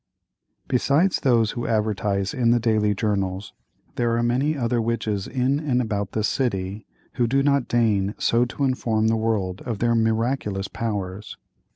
Besides those who advertise in the daily journals, there are many other witches in and about the city who do not deign so to inform the world of their miraculous powers.